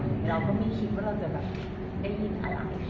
เราก็ไม่คิดว่าเราจะแบบได้ยินอะไร